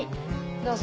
どうぞ。